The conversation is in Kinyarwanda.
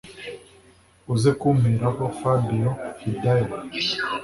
uze kumperaho fabio” hidaya